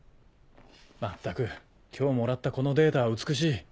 まったく今日もらったこのデータは美しい。